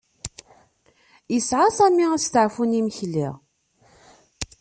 Yesɛa Sami asteɛfu n imekli.